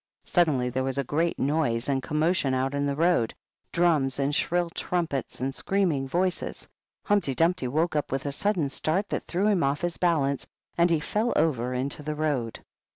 Suddenly there was a great noise and commotion out in the road, — drums and shrill trumpets and screaming voices. Humpty Dumpty woke up with a sudden start that threw him off his bal ance, and he fell over into the road.